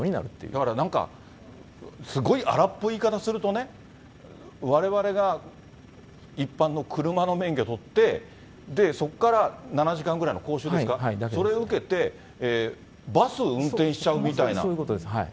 だからなんか、すごい荒っぽい言い方するとね、われわれが一般の車の免許取って、そこから７時間ぐらいの講習ですか、それを受けて、そういうことです。